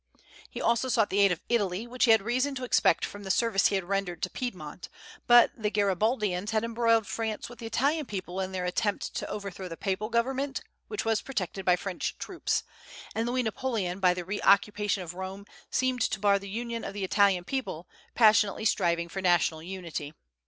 He also sought the aid of Italy, which he had reason to expect from the service he had rendered to Piedmont; but the Garibaldians had embroiled France with the Italian people in their attempt to overthrow the Papal government, which was protected by French troops; and Louis Napoleon by the reoccupation of Rome seemed to bar the union of the Italian people, passionately striving for national unity.